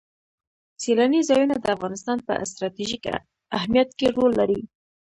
سیلانی ځایونه د افغانستان په ستراتیژیک اهمیت کې رول لري.